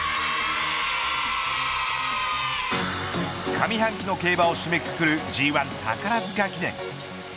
上半期の競馬を締めくくるＧ１宝塚記念。